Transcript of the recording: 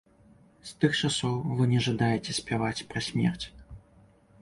З тых часоў вы не жадаеце спяваць пра смерць.